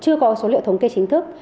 chưa có số liệu thống kê chính thức